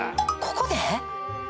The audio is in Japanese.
ここで！？